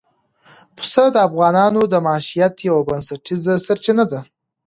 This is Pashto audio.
پسه د افغانانو د معیشت یوه بنسټیزه سرچینه ده.